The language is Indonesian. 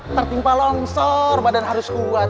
tertimpa longsor badan harus kuat